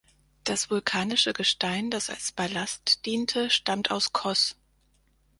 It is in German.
Das vulkanische Gestein, das als Ballast diente, stammt aus Kos.